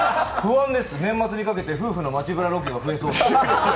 年末にかけて夫婦の街ブラロケが増えそうです。